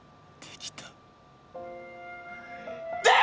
できた！